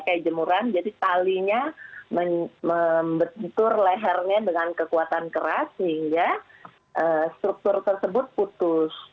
kayak jemuran jadi talinya membentur lehernya dengan kekuatan keras sehingga struktur tersebut putus